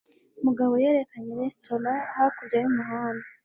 Mugabo yerekanye resitora hakurya y'umuhanda.